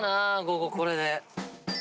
午後これで。